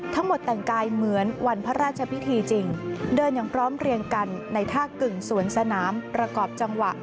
ทั้งหมดแต่งกายเหมือนวันพระราชพิธีจริงเดินอย่างพร้อมเรียงกันในท่ากึ่งสวนสนามประกอบจังหวะ